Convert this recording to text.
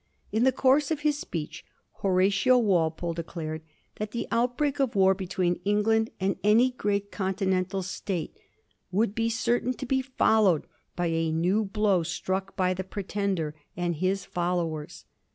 In the course of his speech Horatio Walpole declared that the outbreak of war between England and any great continental State would be certain to be follow ed by a new blow struck by the Pretender and his fol lowers.